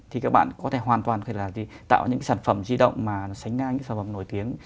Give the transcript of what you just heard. thì các bạn có thể hoàn toàn tạo những sản phẩm di động mà sánh ngang những sản phẩm nổi tiếng